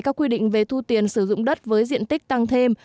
các quy định về thu tiền sử dụng đất với diện tích tăng thêm